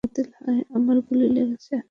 আমার গুলি লেগেছে।